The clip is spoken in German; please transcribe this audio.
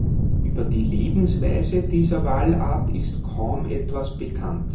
Über die Lebensweise dieser Walart ist kaum etwas bekannt.